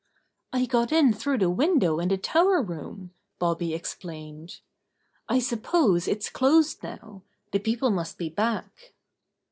"I got in through the window in the tower room," Bobby explained, "I suppose it's closed now. The people must be back."